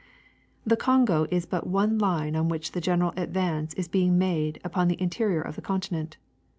The Kongo is but one line on Avhich the general advance is being made upon the interior of the continent.